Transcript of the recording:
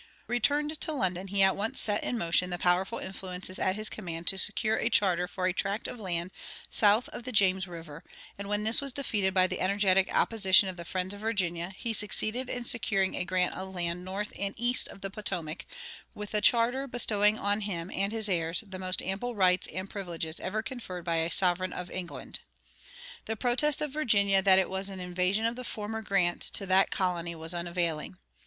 Returned to London, he at once set in motion the powerful influences at his command to secure a charter for a tract of land south of the James River, and when this was defeated by the energetic opposition of the friends of Virginia, he succeeded in securing a grant of land north and east of the Potomac, with a charter bestowing on him and his heirs "the most ample rights and privileges ever conferred by a sovereign of England."[55:1] The protest of Virginia that it was an invasion of the former grant to that colony was unavailing.